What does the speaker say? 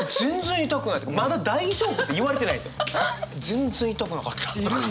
「全然痛くなかった」とか。